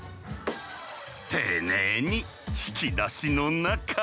丁寧に引き出しの中へ。